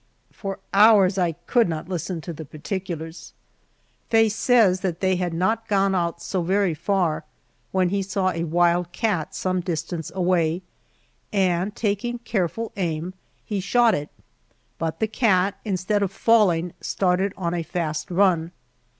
For hours I could not listen to the particulars. Faye says that they had not gone out so very far when he saw a wild cat some distance away, and taking careful aim, he shot it, but the cat, instead of falling, started on a fast run.